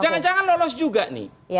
jangan jangan lolos juga nih